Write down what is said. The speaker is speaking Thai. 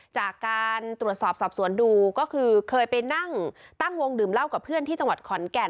จากการตรวจสอบสอบสวนดูก็คือเคยไปนั่งตั้งวงดื่มเหล้ากับเพื่อนที่จังหวัดขอนแก่น